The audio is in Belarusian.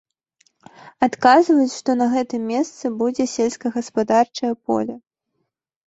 Адказваюць, што на гэтым месцы будзе сельскагаспадарчае поле.